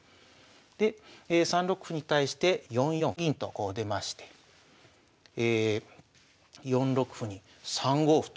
で３六歩に対して４四銀とこう出まして４六歩に３五歩と。